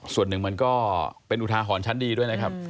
ส่วนหนึ่งมันก็เป็นอุทาหรณ์ชั้นดีด้วยนะครับ